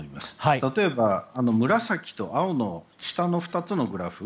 例えば、紫と青の下の２つのグラフ。